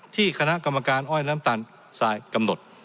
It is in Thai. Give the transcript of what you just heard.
ที่คณะกรรมการอ้อยน้ำตาลทรายกำหนด